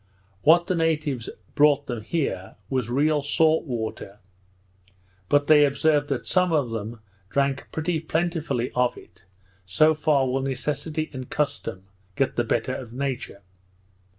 What the natives brought them here was real salt water; but they observed that some of them drank pretty plentifully of it, so far will necessity and custom get the better of nature!